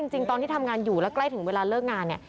จริงตอนที่ทำงานอยู่แล้วใกล้ถึงเวลาเลิกงานเนี่ย